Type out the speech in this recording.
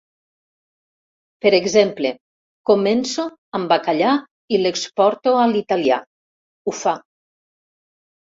Per exemple, començo amb Bacallà i l'exporto a l'italià —ho fa—.